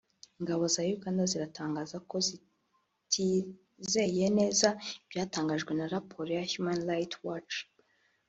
ingabo za Uganda ziratangaza ko zitizeye neza ibyatangajwe na raporo ya Human Rights Watch